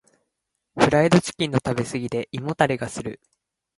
フライドチキンの食べ過ぎで胃もたれがする。